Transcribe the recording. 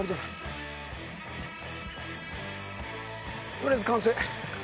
とりあえず完成。